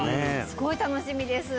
すごい楽しみです